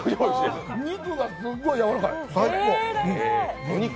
肉がすっごいやわらかい、最高。